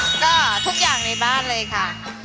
แล้วก็ทุกอย่างในบ้านเลยค่ะ